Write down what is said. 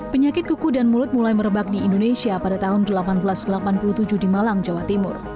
penyakit kuku dan mulut mulai merebak di indonesia pada tahun seribu delapan ratus delapan puluh tujuh di malang jawa timur